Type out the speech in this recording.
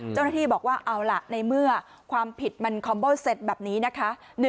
เจ้าหน้าที่บอกว่าเอาล่ะในเมื่อความผิดมันคอมเบอร์เสร็จแบบนี้นะคะ